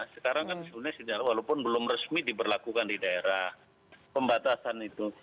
sekarang kan sebenarnya walaupun belum resmi diberlakukan di daerah pembatasan itu